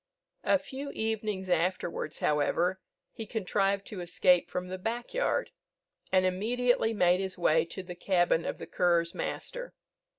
A few evenings afterwards, however, he contrived to escape from the back yard, and immediately made his way to the cabin of the cur's master.